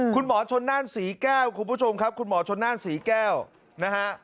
คุณหมอชนนั่นศรีแก้วคุณผู้ชมครับคุณหมอชนนั่นศรีแก้วนะฮะ